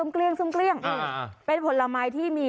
เป็นผลหมายที่มีความคุยกับท่านนะ